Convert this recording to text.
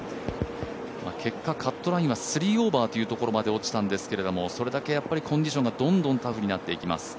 結果、カットラインは３オーバーというところまで落ちたんですけど、それだけコンディションがどんどんタフになっていきます。